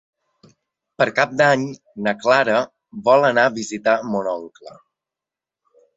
Per Cap d'Any na Carla vol anar a visitar mon oncle.